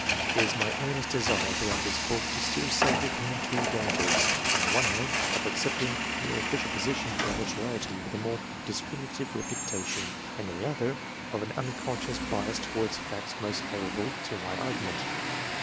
It is my earnest desire, throughout this book, to steer safely between two dangers : on the one hand, of accepting mere official position or notoriety, as identical with a more discriminative reputa tion, and on the other, of an unconscious bias towards facts most favourable to my argument.